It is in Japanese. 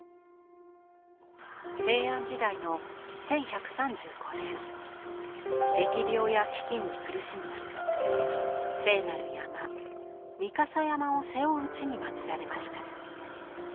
平安時代の１１３５年疫病や飢きんに苦しむ中聖なる山御蓋山を背負う地にまつられました。